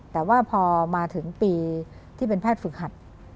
แต่ว่าพอมาถึงปีที่เป็นแพทย์ฝึกหัด